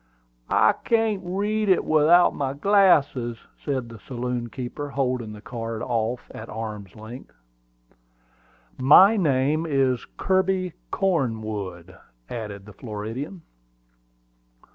"I can't read it without my glasses," said the saloon keeper, holding the card off at arm's length. "My name is Kirby Cornwood," added the Floridian.